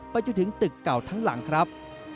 จนถึงตึกเก่าทั้งหลังครับ